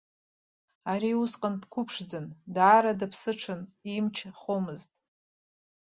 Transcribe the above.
Ари усҟан дқәыԥшӡан, даара дыԥсыҽын, имч хомызт.